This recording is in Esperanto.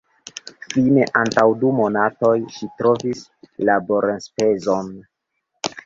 Fine antaŭ du monatoj ŝi trovis laborenspezon.